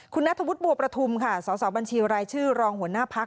คุณนัทธวุฒิบัวประทุมค่ะสสบัญชีรายชื่อรองหัวหน้าพัก